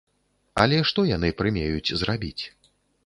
Але што яны прымеюць зрабіць?